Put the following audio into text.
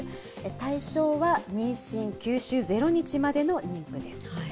対象は妊娠９週０日までの妊婦です。